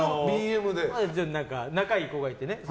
仲いい子がいてね。